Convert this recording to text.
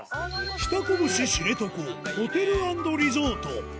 北こぶし知床ホテル＆リゾート。